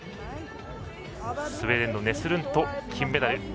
スウェーデンのネスルント金メダル